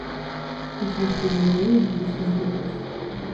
І частку галерэі будуць разбіраць.